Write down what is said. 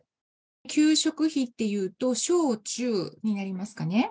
給食費というと小中になりますかね。